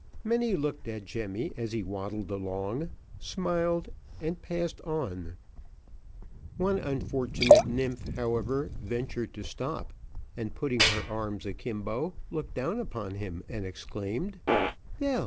Many looked at Jemmy, as he waddled along, smiled and passed on; one unfortunate nymph, however, ventured to stop, and putting her arms a kimbo, looked down upon him and exclaimed, "Vell!